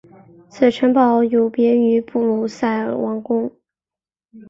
此城堡有别于布鲁塞尔王宫。